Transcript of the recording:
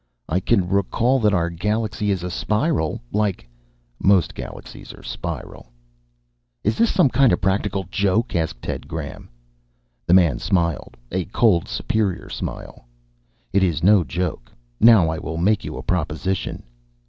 "I can recall that our galaxy is a spiral like " "Most galaxies are spiral." "Is this some kind of a practical joke?" asked Ted Graham. The man smiled, a cold, superior smile. "It is no joke. Now I will make you a proposition."